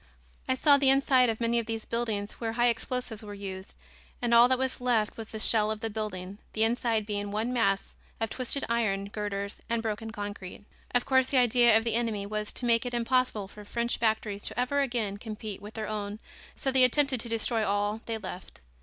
I saw the inside of many of these buildings where high explosives were used and all that was left was the shell of the building, the inside being one mass of twisted iron girders and broken concrete. Of course, the idea of the enemy was to make it impossible for French factories to ever again compete with their own so they attempted to destroy all they left.